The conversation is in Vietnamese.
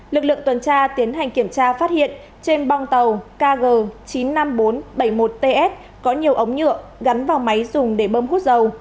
lực lượng tuần tra tiến hành kiểm tra phát hiện trên bong tàu kg chín mươi năm nghìn bốn trăm bảy mươi một ts có nhiều ống nhựa gắn vào máy dùng để bơm hút dầu